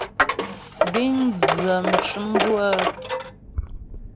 Bíŋ dzə mcʉ̌m bʉ́ə.